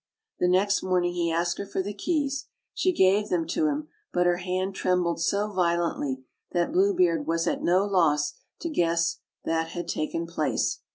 The next morning he asked her for the keys; she gave them to him, but her hand trembled so violently that Blue Beard was at no losa to guess all that had taken place.